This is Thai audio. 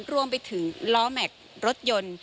รวมไปถึงล้อแม็กซ์รถยนต์